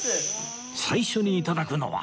最初に頂くのは